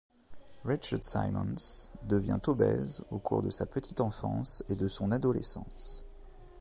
Richard Simmons devient obèse au cours de sa petite enfance et de son adolescence.